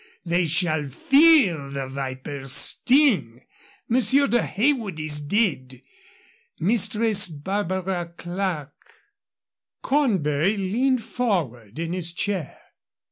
_ they shall feel the viper's sting. Monsieur de Heywood is dead. Mistress Barbara Clerke " Cornbury leaned forward in his chair.